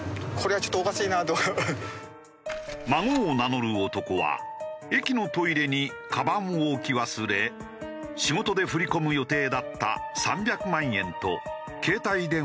孫を名乗る男は駅のトイレにかばんを置き忘れ仕事で振り込む予定だった３００万円と携帯電話を紛失。